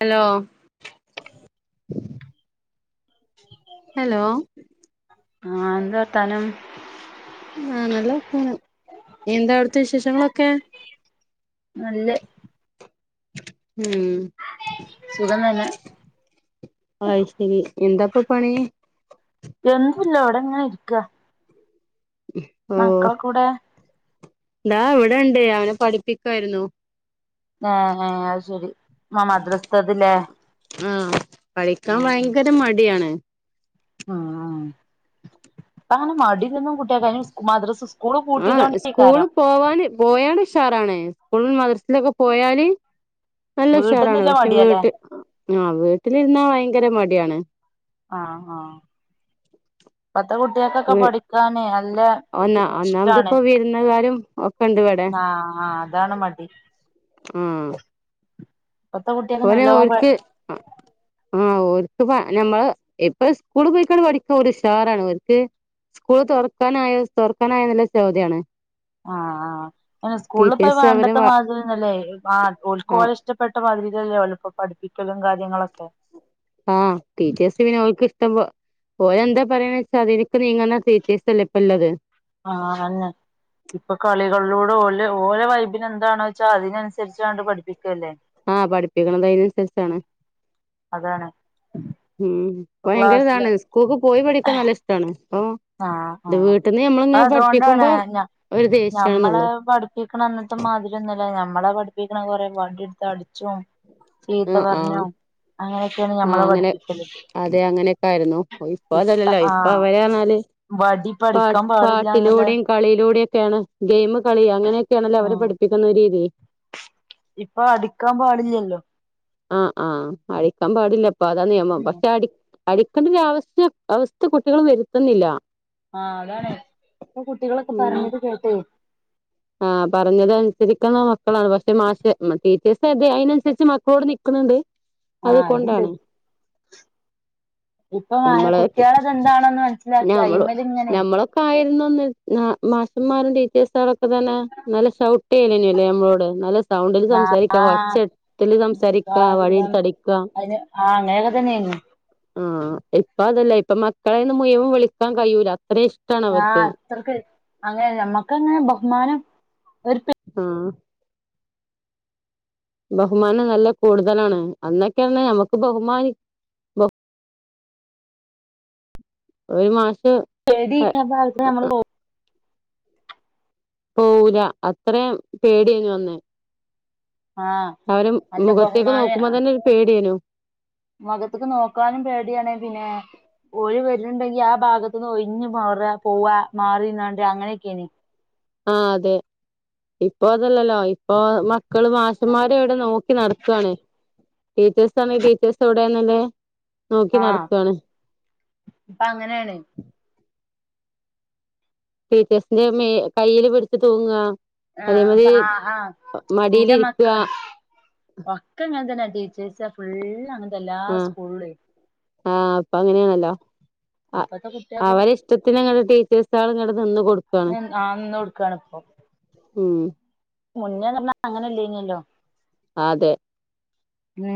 Hello ഉ [unintelligible] hello ആഹ് എന്തവർത്താനം? ആഹ് നല്ലവർത്താനം. എന്താ അവിടുത്തെ വിശേഷങ്ങളൊക്കെ? നല്ല ഉം സുഖം തന്നെ അയ് ശരി എന്താപ്പൊ പണി? എന്ത്ല്ല വിടെ ങ്ങനെ ഇരിക്കാ. മക്കളൊകൗടെ? താ വ്ടണ്ട് അവനെ പഠിപ്പിക്കായിരുന്നു. ന്നാ ആഹ് അഅ് ശരി മ മദ്രസ്തതില്ലേ. ആഹ് കളിക്കാൻ ഭയങ്കര മടിയാണ്. അ ആഹ് പങ്ങനെ മടി [unintelligible] കുട്ട്യേക്ക് അയിന്‌ സ് മദ്‌റസ് സ് സ്കൂള് ആഹ് പൂട്ടിയതൊണ്ടെ സ്കൂള് [unintelligible] പോവാന് പോയാലുഷാറാണ് സ്കൂൾലും മദ്റസിലൊക്കെ പോയാല്. നല്ലുഷാറാണ് വീട്ടിന്നില്ല പക്ഷെ മടിയാല്ലേ വീട്ടി ആഹ് വീട്ടിലിരുന്നാ ഭയങ്കര മടിയാണ്. ആഹ് ആഹ് പ്പത്തെ കുട്ട്യാ ക്കൊക്കെ വ് പഠിക്കാന് അല്ല ഒന്നാ ഒന്നാമത്പ്പൊ വിരുന്നുകാരും ഒക്കെണ്ട് വടെ. ആഹ് ആഹ് അതാണ് മടി ഊം ഇപ്പത്തെ കുട്ടികൾക്ക് ഓനെ നല്ലോണം പ ഓൽക്ക് ഊം ഓൽക്ക് പ ഞമ്മള് ഇപ്പൊ സ്കൂള് പോയിക്കാണ്ട് പഠിക്ക ഓരുഷാറാണ് ഓര്ക്ക് സ്കൂള് തൊറക്കാനായോ തൊറക്കാനായോന്നുള്ള ചോദ്യാണ്. ആഹ് ആഹ് അയിന് സ്കൂൾപോ ടീച്ചേഴ്സ് അവരെ പണ്ടത്ത വ മാതിരിന്നല്ലേ ആഹ് ആഹ് ഓൽകോലഷ് ഇഷ്ടപ്പെട്ട മാതിരിക്കല്ലെഓലപ്പോ പഠിപ്പിക്കലും കാര്യങ്ങളൊക്കെ മ് ടീച്ചേർസ്ന് പിന്നോല്ക്ക് ഇഷ്ടമ്പോ ഓലെന്താ എന്താ പറയണച്ചാ അതിനിക്ക് നീങ്ങ്ന്നാ ടീച്ചെയ്സല്ലെ ഇപ്പല്ലത് ആഹ് അതന്നെ ഇപ്പൊ കളികളിലൂടെ ഓല് ഓലെ വൈബിനെന്താണോച്ചാ അതിനനുസരിച്ചാണ്ട് പഠിപ്പിക്കല്ലേ ആഹ പഠിപ്പിക്കണത് അയിനനുസരിച്ചാണ് അതാണ് ഉ ഇപ്പൊ ക്ലാസ്സില് ഭയങ്കരതാണ് സ്കൂൾക്ക് പോയി പഠിക്കാൻ നല്ല ഇഷ്ട്ടാണ് ഓ ആഹ് ഇത് ആഹ് വീട്ടിന്ന് ങ്ങനെ അത് അതുകൊണ്ടാണ് പഠിപ്പിക്കുമ്പോ ഒരു ദേഷ്യണെന്നൊള്ളു പഠിക്കണ അന്നത്തെ മതിരോന്നല്ല ഞമ്മളെ പഠിപ്പിക്കണെ കൊറെ വാടിട്ത്ത് അടിച്ചും ചീത്ത ആഹ് ആഹ് പറഞ്ഞും അങ്ങനെയൊക്കെണ് ആഹ് ഞമ്മളെ അങ്ങനെ പഠിപ്പികല് അതെ അങ്ങനെയൊക്കെ ആയിരുന്നു. ഇപ്പൊ അതല്ലല്ലോ. ഇപ്പൊ ആഹ് അവരെറഞ്ഞാല് വടിപ്പ പ. അടിക്കാൻ പാടില്ലാന്നുള്ള പാട്ടിലൂടെയും കളിയിലൂടെയും ഒക്കെയാണ്, ഗെയിമ് കളി അങ്ങനെയൊക്കെയാണല്ലോ അവര് പഠി ക്കുന്ന രീതി ഇപ്പോ അടിക്കാ പാടില്ലല്ലോ ആഹ് ആഹ് അടിക്കാൻ പാടില്ല ഇപ്പം അതാ നിയമം. പക്ഷെ അടി അടിക്കേണ്ടൊരവസ്ഥ, അവസ്ഥ കുട്ടികൾ വരുത്തുന്നില്ല. ആഹ്, അതാണ് ഇപ്പൊ കുട്ടികളൊക്കെ ഉം പറഞ്ഞത് കേട്ടെ ആഹ്, പറഞ്ഞത് അനുസരിക്കുന്ന മക്കളാണ്. പക്ഷെ മാഷ്, ടീച്ചേഴ്സ് അതിനനുസരിച്ച് മക്കളോട് നിക്കണ് ണ്ട്. ആഹ് അടിണ്ട് ഇപ്പൊ നമ്മളൊക്കെ കുട്ടിയാളൊക്കെന്താണെന്ന് മനസ്സിലാക്കി അയിമല് ഇങ്ങനെ കായിരുന്നുന്ന് മാഷുമ്മാരും ടീച്ചേഴ് സാളൊ തന്നെ ന്നാലും ഷൗട്ടിയാലില്ലല്ലോ ഞമ്മളോട്, നല്ല സൗണ്ടില് ആ സംസാരിക്കാം, ഒച്ചത്തിൽ സംസാരിക്കാം പാടില്ലം വടിയെടുത്ത് അടിക്കാം അതിന് ആ അങ്ങനെയൊക്കെ തന്നെയായിരുന്നു ആഹ് ഇപ്പൊ അതല്ല ഇപ്പൊ മക്കളൊന്ന് മുയ്മൻ വിളിക്കാൻ കഴിയൂല. അത്രേം ഇഷ് ആഹ് അത്രക്ക് അങ്ങനെ ഞമ്മക്കങ്ങനെ ബഹുമാനം ഒരു അഹ് ബഹുമാനം നല്ല കൂടുതലാണ്. അന്നെക്കന്നെ നമ്മക്ക് ബഹുമാനി ഒരു മാഷ് പേടി ആ ഭാഗത്ത് നമ്മള് പോക പോകൂല അത്രയും പേടിയേന്നു അന്ന്. ആ അവരെ നല്ല മുഖത്തേക്ക് നോക്കുമ്പോ തന്നെ ഒരു പേടിയേനു മുഖത്ത്ക്ക് നോക്കാനും പേടിയാണ്. പിന്നെ ഓല് വര്ന്ന്ണ്ടെങ്കി ആ ഭാഗത്തുനിന്ന് ഒഴിഞ്ഞ് മാറ, പോവ, മാറി നിന്നാണ്ട്. അങ്ങനെയൊക്കെയാന്. ആ അതെ ഇപ്പൊ അതല്ലല്ലോ. ഇപ്പൊ മക്കള് മാഷന്മാരും അവിടെ നോക്കി നടത്താണ്. ടീച്ചേഴ്സ് ആണെങ്കിൽ ടീച്ചേഴ്സവടെ [unintelligible] നോക്കി ആ നടക്കാണ് ഇപ്പൊ അങ്ങനെണ് ടീച്ചേഴ്സിന്റെ മേ. കയ്യിയില് പിടിച്ച് തൂങ്ങ ആഹ്. പ. അതേമാതിരി ആ. ആ ഇന്റെ മടിയിലിരിക്ക മക്കള് ഒക്കെ [unintelligible] തന്നെ. ടീച്ചേഴ്സ് ഫുൾ അങ്ങനെ ആഹ്. ആഹ്. ഇപ്പൊ അങ്ങനെണല്ലോ ഇപ്പത്തെ കുട്ടികൾക്കും അവരെ ഇഷ്ടത്തിന് ടീച്ചേഴ്സാള് ഇങ്ങട് നിന്ന് കൊടുക്ക ആനിന്ന് കൊടുക്കാണിപോ ഉം മുന്നേ നറഞ്ഞ അങ്ങനല്ലെയിന്നിലല്ലോ അതെ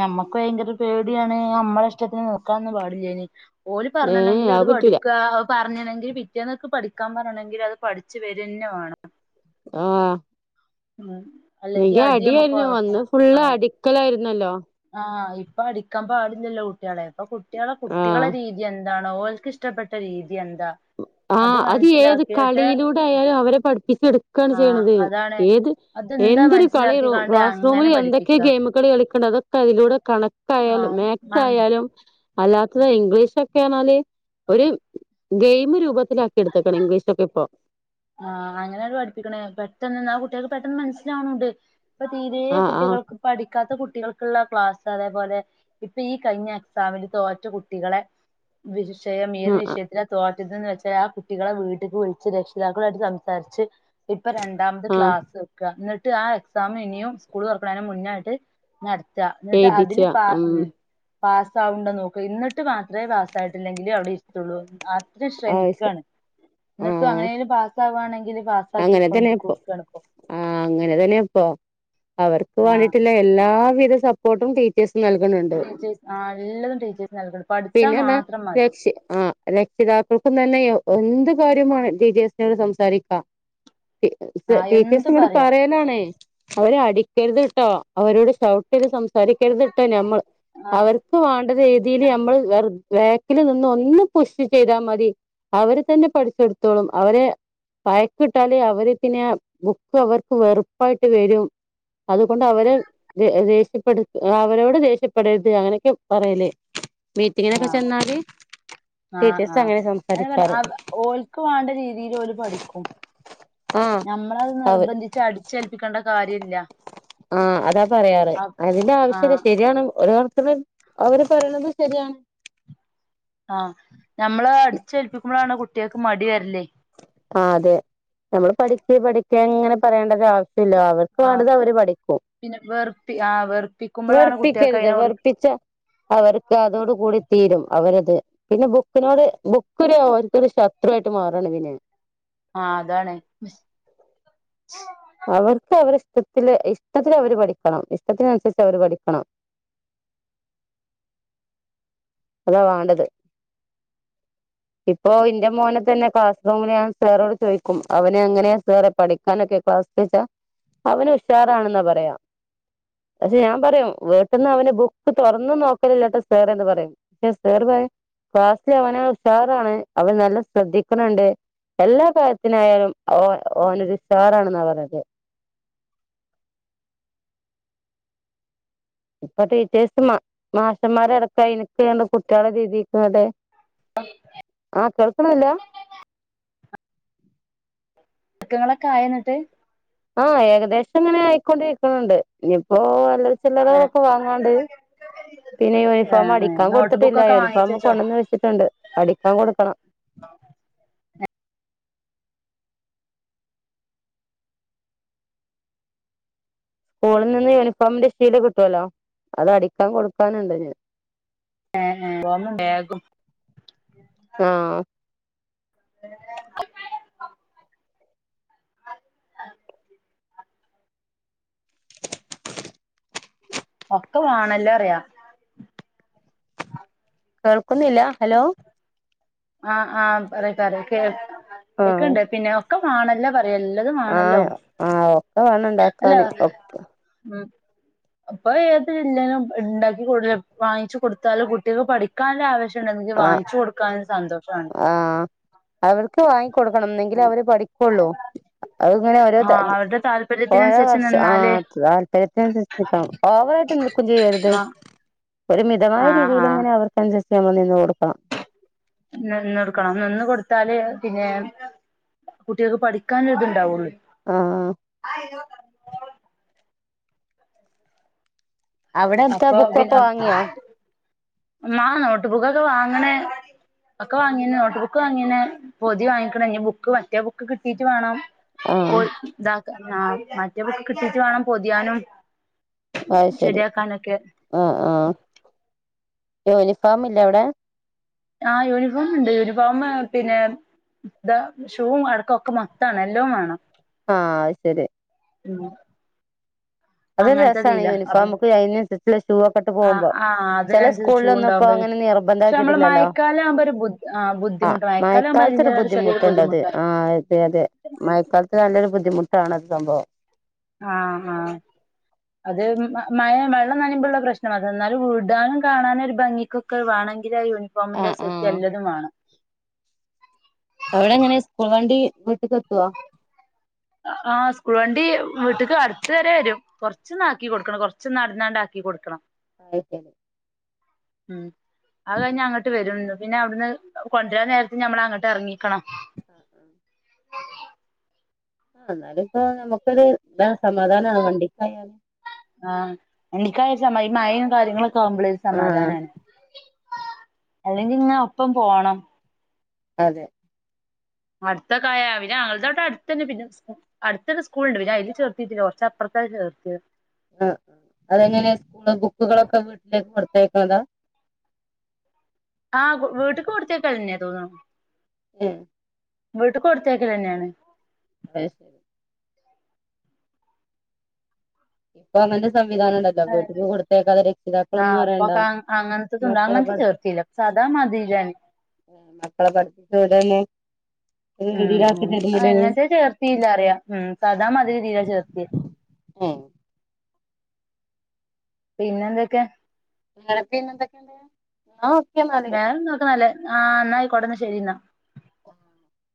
നമ്മക്കും അതിന്റെയൊരു പേടിയാണ് നമ്മുടെ ഇഷ്ടത്തിന് നോക്കാനൊന്നും പാടില്ലായിന് ഓല് ഏഹ് പറഞ്ഞേരുന്നുണ്ടെങ്കില് അത് പറ്റൂല പഠിക്ക പറഞ്ഞിരുന്നെങ്കി പിറ്റേന്നെക്ക് പഠിക്കാൻ പറയണെങ്കി അത് പഠിച്ചു വരുകന്നേ വേണം ആഹ് ഉം അല്ലെങ്കി പിന്നെ അടി നമ്മക്ക് അടിയായിരുന്നു ഉറപ്പാ അന്ന് ഫുൾ ആഹ് അടിക്കലായിരുന്നല്ലോ. ആഹ് ഇപ്പം അടിക്കാൻ പാടില്ലല്ലോ കുട്ടികളെ ഇപ്പൊ കുട്ടികളെ ആഹ് കുട്ടികളെ രീതി എന്താണോ ഓൽക്ക് ഇഷ്ടപ്പെട്ട രീതി എന്താ ആഹ് അത് ഏത് കളിയിലൂടെ ആയാലും അവരെ പഠിപ്പിച്ചെടുക്കയാണ് ആഹ് ചെയ്യണത് അതാണ് ഏത് അതെന്താ എന്തൊരു കളിയണു മനസ്സിലാക്കിക്കാണ്ട് ക്ലാസ് അങ്ങനെ റൂമില് എന്തൊക്കെയൊ പഠിപ്പിക്ക ഗെയിമ് കളി കളിക്കണ് അതൊക്കെ അതിലൂടെ കണക്കായാലും മാക്സ് ആഹ് ആയാലും അല്ലാത്തത് ഇംഗ്ലീഷൊക്കെയാണേല് ഒരു ഗെയിമ് രൂപത്തിലാക്കി എടുത്തേക്കണ് ഇംഗ്ലീഷ് ഒക്കെ ഇപ്പൊ. ആഹ് അങ്ങനെയാണു പഠിപ്പിക്കണേ പെട്ടെന്ന് തന്നെ അത് കുട്ടികൾക്ക് പെട്ടെന്ന് മനസ്സിലാവണണ്ട് ഇപ്പൊ തീരേ ആഹ് ആഹ് കുട്ടികൾക്ക് പഠിക്കാത്ത കുട്ടികൾ ക്കുള്ള ക്ലാസ് അതേപോലെ ഇപ്പൊ ഈ കഴിഞ്ഞ എക്സാമില് തോറ്റ കുട്ടികളെ വിഷയം ഏത് ആഹ് വിഷയത്തിലാ തോറ്റതന്ന് വെച്ചാൽ ആ കുട്ടികളെ വീട്ടിക്ക് വിളിച്ച് രക്ഷ് താക്കളായിട്ട് സംസാരിച്ച് ഇപ്പ രണ്ടാമത് ആഹ് ക്ലാസ്സ് വെ ക്കാ എന്നിട്ട് ആ എക്സാം ഇനിയും സ്കൂൾ തുറക്കണേന് മുന്നായിട്ട് നടത്ത എന്നിട്ട് എഴുതിച്ച അതിന് പാ ഉം പാസായുണ്ടോന്നു നോക്കുക എന്നിട്ട് മാത്രമേ പാസായിട്ടില്ലെങ്കി അവിടെ ഇരുത്തുള്ളൂന്ന് അതിന് ആവശ്യ ശ്രമിക്കാണ് എന്നിട്ടും ആഹ് അങ്ങനെലും പാസ് ആകുവാണെങ്കില് പാസ് അങ്ങനെ തന്നെപ്പൊ ആഹ് അങ്ങനെ തന്നെപ്പൊ അവർക്ക് ആ വേണ്ടിട്ടുള്ള എല്ലാവിധ സപ്പോർട്ടും ടീ ചേഴ്സ് നൽകുന്നുണ്ട് ടീച്ചേഴ്സ് ആ എല്ലതും ടീച്ചേഴ്സ് നൽകണം പഠിച്ചാ പിന്നെതാ മാത്രം മതി രക്ഷ്യ ആ രക്ഷിതാക്കൾക്കും തന്നെ എന്ത് കാര്യം വേണേ ടീച്ചേഴ്സിനോട് സംസാരിക്കാം ആ എന്ത് ടീച്ചേഴ്സും കൂടെ പറയാ പറയലാണേ അവരെ അടിക്കരുത് കേട്ടോ അവരോട് ശൗ [unintelligible] സംസാരിക്കരുത് ട്ടോ നമ്മള് ആ അവർക് ക്ക് വേണ്ട രീതിയില് നമ്മള് വെർ ബേക്കില് നിന്ന് ഒന്ന് പുഷ് ചെയ്താൽ മതി അവര് തന്നെ പഠിച്ചെടുത്തോളും അവരെ [unintelligible] കിട്ടാലേ അവര് പിന്നെ ബുക്ക് അവർക്ക് വെറുപ്പായിട്ട് വരും അതുകൊണ്ട് അവരെ ദേഷ്യപ്പെടുത് അവരോട് ദേഷ്യപ്പെടരുത് അങ്ങനെയൊക്കെ പറയല് ആ മീറ്റിങ്ങിനൊക്കെ ചെന്നാല് ആ ആ ടീച്ചേഴ്സ് അങ്ങനെ അങ്ങനെ പറ സംസാരിക്കാറ് അവ ഓൽക്ക് വേണ്ട രീതില് ഓല് പഠിക്കും ആഹ് നമ്മളത് അവ നിർബന്ധിച്ച് അടി ചെൽപ്പിക്കേണ്ട കാര്യമില്ല ആഹ് അതാ പറയാറ് അതിന്റെ ആ ആവശ്യല്ല ശരിയാണ് ഒര്കണക്കിന് അവര് പറയുന്നതും ശരിയാണ് ആഹ് ഞമ്മള് അടിച്ചേൽപ്പിക്കുമ്പോഴാണ് കുട്ടികൾക്ക് മടി വരല് ആഹ് അതെ നമ്മള് പഠിക്ക് പഠിക്കങ്ങനെ പറയേണ്ട ഒരു ആവശ്യമില്ല അവര് ക്ക് ആ വേണ്ടത് അവര് പഠിക്കും പിന്നെ വെറുപ്പി ആ വെറുപ്പിക്കുമ്പോഴാണ് കുട്ടികൾക്ക് വെറുപ്പിക്കരുത് അതിനെ കുറിച്ച് വെറുപ്പിച്ച അവർക്ക് അതോട് കൂടി തീരും അവരത് പിന്നെ ബുക്കിനോട് ബുക്കൊരു അവർക്കൊരു ശത്രു ആയിട്ട് മാറാണ് പിന്നെ ആഹ് അതാണ് [inaudible] അവർക്ക് അവർ ഇഷ്ടത്തില് ഇഷ്ടത്തിന് അവര് പഠിക്കണം ഇഷ്ടത്തിനനുസരിച്ച് അവര് പഠിക്കണം അതാ വാണ്ടത് ഇപ്പോ ഇന്റെ മോനെ തന്നെ ക്ലാസ് റൂമില് ഞൻ സാറോട് ചോയിക്കും അവന് എങ്ങനെയാ സാറെ പഠിക്കാനൊക്കെ ക്ലാസ് ചോയ്ച്ച അവന് ഉഷാറാണെന്നാ പറയാ പക്ഷെ ഞാൻ പറയും വീട്ട്ന്ന് അവന് ബുക്ക് തൊറന്ന് നോക്കലില്ലാട്ടോ സേറെന്ന് പറയും പക്ഷേ സേറ് പറയും ക്ലാസില് അവന് ഉഷാറാണ് അവൻ നല്ല ശ്രദ്ധിക്ക്ണ ണ്ട് എല്ലാ കാര്യത്തിനായാലും ഓ ഓനൊരു സ്റ്റാറാണ്ന്നാ പറഞ്ഞത് ഇപ്പൊ ടീച്ചേഴ്സ് മാഷന്മാരടക്ക അയിനക്ക് കുട്ടികളെ രീതിക്ക്ങ്ങട്ട് ആഹ് കേൾക്ക്ണില്ല? ക്കങ്ങളൊക്കെ ആയോ ഇന്നെട്ട്? ആഹ് ഏകദേശം ഇങ്ങനെ ആയിക്കൊണ്ടിരിക്ക്ണ് ണ്ട് ഇഞ്ഞ്പ്പോ നല്ല ളെക്ക് ആ ഇള്ളത്ക്കെ വാങ്ങാണ്ട് പിന്നെ ആ യൂണിഫോം അടിക്കാൻ നോട്ട് കൊടുത്തിട്ടില്ല ബുക്കൊക്കെ യൂണിഫോമ് വാങ്ങിച്ചച്ചോ കൊണ്ടന്ന് വെച്ചിട്ടുണ്ട് അടിക്കാൻ കൊടുക്കണം സ്കൂളിൽ നിന്ന് യൂണിഫോമിന്റെ ശീല കിട്ടുവല്ലോ അത് അടിക്കാൻ കൊടുക്കാന്ണ്ട് ആഹ് ആഹ് യുണിഫോമും ബാഗും ആഹ് ആഹ ഒക്കെ വാണല്ലോ പറിയാ കേൾക്കുന്നില്ല? ഹലോ ആഹ് ആഹ് പറയ് പറയ് കേ ആഹ് കേക്ക്ണ്ട് പിന്നെയോ? ഒക്കെ മാണല്ലോ പറയാ എല്ലതും മാണല്ലോ ആഹ് ഒക്കെ വേണം അല്ല ഉണ്ടാക്കാന് ഉം അപ്പൊ ഏത് ഇല്ലേലും ഇണ്ടാക്കി കൊടു വാങ്ങിച്ചു കൊടുത്താലും കുട്ടിയക്ക് പഠിക്കാന്ള്ള ആവേ ശം ആഹ് വാങ്ങിച്ചു കൊടുക്കാനൊരു സന്തോഷാണ് ആഹ് അവർക്ക് വാങ്ങി കൊടുക്കണം എന്നെങ്കിലെ അവര് പഠിക്കൊള്ളൂ അഹ് ഇങ്ങനെ ഓരോ ആഹ് അവരുടെ ഓരോ താല്പര്യത്തിനനുസരിച്ച് വർഷം ആ നിന്നാല് താല്പര്യത്തിനനുസരിച്ച് നിക്കണം ഓവറായിട്ട് നിക്കും ചെയ്യരുത് ആഹ് [unintelligible] ഒരു മിതമായ ആഹ് ആഹ് രീതിയില്ങ്ങനെ അവർക്ക് അൻസരിച്ച് നമ്മൾ നിന്ന് കൊടുക്കണം നിന്ന് കൊടുക്കണം നിന്ന് കൊടുത്താല് പിന്നെ കുട്ടികൾക്ക് പഠിക്കാന്ള്ള ഇതുണ്ടാവൊള്ളു ആഹ് ആ [unintelligible] അവിടെത്താ അപ്പൊ ബുക്കൊക്കെ വാങ്ങിയോ? ആഹ് നോട്ട് ബുക്കൊക്കെ വാങ്ങ് ണ് ഒക്കെ വാങ്ങീണ് നോട്ട് ബുക്ക് വാങ്ങിണ് പൊതി വാങ്ങിക്ക്ണ ഇഞ്ഞ് ബുക്ക് മറ്റേ ബുക്ക് കിട്ടീട്ട് വേണം പൊ ആഹ് ഇത ആ മറ്റേ ബുക്ക് കിട്ടിട്ട് വേണം പൊതിയാനും അത് ശരി ശരിയാക്കാനൊക്കെ ഉം ഉം യൂണിഫോമില്ലേ അവിടെ? ആ യൂണിഫോമ്ണ്ട് യൂണിഫോമ് പിന്നെ ഇതാ ഷൂവും അടക്കം ഒക്കെ മൊത്താണ് എല്ലോം വേണം ആഹ് അഹ് ശരി ഉം അതൊരു രസാണ് ഈ അങ്ങനത്തെതീല അപ്പൊ യൂണിഫോമ്ക്ക് അയിന് അനുസരിച്ചുള്ള ഷൂ ഒക്കെ ഇട്ട് ആ പോകുമ്പോ ആ ചെല അതിനനുസരിച്ച് ഷൂ സ്കൂളിലൊന്നും ഇപ്പോ ഉണ്ടാവുമ്പോ അങ്ങനെ നിർ ബന്ധ പക്ഷെ നമ്മള് ആക്കിയിട്ടില്ലല്ലോ മഴക്കാലം ആകുമ്പോ ഒരു ബുദ്ധി ആ ബുദ്ധിമുട്ട് മഴക്കാലം ആകുമ്പോ മഴക്കാലത്തൊരു അതിന്റേതായ ചെറിയൊരു ബുദ്ധിമുട്ട് ഇണ്ടത് ബുദ്ധിമുട്ടാ ആഹ് അതെ അതെ മഴക്കാലത്ത് നല്ലൊരു ബുദ്ധിമുട്ടാണത് സംഭവം ആഹ് ആഹ് അത് മഴ വെള്ളം നനിമ്പള്ള പ്രശ്നം അത് എന്നാലും വിടാനും കാണാനും ഒരു ഭംഗിക്കൊക്കെ ക്ക് വാണെങ്കിലാ ആ യൂണിഫോമിന്റെ ആ സെറ്റ് എല്ലതും വാണം. അവിടെങ്ങനെ സ്കൂൾ വണ്ടി വീട്ട്ക്കെത്തോ? ആഹ് സ്കൂൾ വണ്ടീ വീട്ട്ക്ക് അട്ത്ത് വരേ വെരും. കൊർച്ചൊന്നാക്കി കൊട്ക്കണം, കൊറച്ച് നട്ന്നാണ്ട് ആക്കിക്കൊട്ക്കണം. [unintelligible] ഉം അത് കഴ്ഞ്ഞാ അങ്ങട്ട് വെരുംന്ന് പിന്നെ അവ്ട്ന്ന് കൊണ്ട് രാൻ നേരത്ത് ഞമ്മളങ്ങട്ട് എർങ്ങിക്കണം. ആഹ് ന്നാലുംപ്പോ നമ്മക്കൊര് താണ് സമാധാനാണ് വണ്ടിക്കായാല്. ആഹ് ഇൻക്കൈശാ മയി ഈ മയിം കാര്യങ്ങളൊക്കാവുമ്പളേ ഒരു ആ സമാധാനാണ്. അല്ലെങ്കിങ്ങനെ ഒപ്പം പോണം. അതെ അട്ത്തൊക്കായാ പിന്നെ ഞങ്ങൾടത് വടെ അട്ത്തെന്നെ, പിന്നെ [unintelligible] അട്ത്തെന്നെ സ്കൂള്ണ്ട്. പിന്നയ്ല് ചേർത്തീട്ടില്ല, കൊർച്ചപ്പൊർത്താ ചേർത്ത്യേ. ആഹ് അതെങ്ങനെ സ്കൂള്ലെ ബുക്കുകളൊക്കെ വീട്ടിലേക്ക് കൊടുത്തയക്ക്ണതാ? ആഹ് വീട്ട്ക്ക് കൊടുത്തേക്കലെന്നെ തോന്ന്ണ്. ഉം. വീട്ട്ക്ക് കൊടുത്തേക്കലെന്നേണ്. [unintelligible] ഇപ്പൊ അങ്ങൻത്തെ സംവിധാനണ്ടാക് വീട്ട്ക്ക് കൊടുത്തേക്കാതെ ആഹ് രക്ഷിതാക്കളൊന്നറ്യണ്ട. ഇപ്പൊക്കെ മക്കളെ പഠ് സാധാ മാതിരിയാണ്. ഉം മക്കളെ പഠ്പ്പിച്ചൗടേണ്? ഉം ഹും. ആഹ് ഇത് ഇങ്ങൻത്തേ ചേർത്തീല്ലാറ്യാ. ഉം സാധാ മാതിരി ഇതീലാ ചേർത്ത്യെ ഏഹ് പിന്നെന്തൊക്കെ? ഇങ്ങളെ [unintelligible] എന്തൊക്കെണ്ട്? ഇങ്ങളു വേറെന്തൂട്ട നല്ലെ, ആഹ് ന്നായ്ക്കോട്ടെ ന്നാ ശെരിന്നാ. [inaudible]